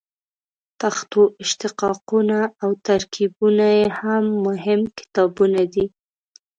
پښتو اشتقاقونه او ترکیبونه یې هم مهم کتابونه دي.